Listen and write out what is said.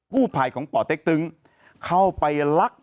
กู้ภัยของป่อเต็กตึงเข้าไปลัก